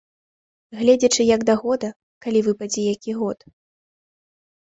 Гледзячы як да года, калі выпадзе які год.